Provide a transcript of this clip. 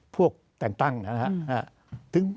พวกแต่งตั้งนะครับ